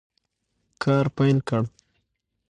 کار پیل کړ.